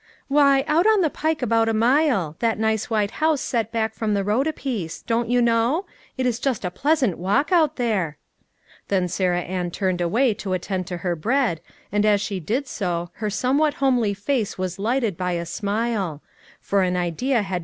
" Why, out on the pike about a mile ; that nice white house set back from the road a piece ; don't you know? It is just a pleasant walk out there." Then Sarah Ann tinned away to attend to her bread, and as she did so her somewhat homely face was lighted by a smile; for an idea had 276 LITTLE FISHERS: AND THEIR NETS.